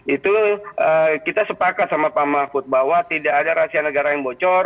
itu kita sepakat sama pak mahfud bahwa tidak ada rahasia negara yang bocor